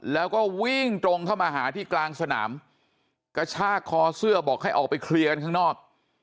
แล้วก็วิ่งตรงเข้ามาหาที่กลางสนามกระชากคอเสื้อบอกให้ออกไปเคลียร์กันข้างนอก